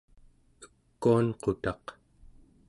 ekuanqutaq